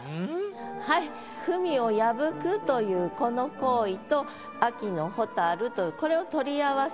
はい文を破くというこの行為と秋の蛍というこれを取り合わせる。